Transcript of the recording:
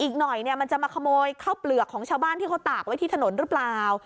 อีกหน่อยเนี่ยมันจะมาขโมยข้าวเปลือกของชาวบ้านที่เขาตากไว้ที่ถนนหรือเปล่า